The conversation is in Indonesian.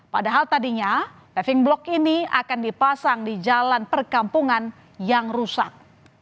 padahal tadinya leving block ini akan dipasang di jalan perkampungan yang rusak